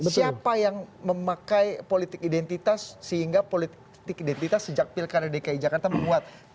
siapa yang memakai politik identitas sehingga politik identitas sejak pilkada dki jakarta menguat